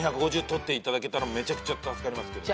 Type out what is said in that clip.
取っていただけたらめちゃくちゃ助かりますけど。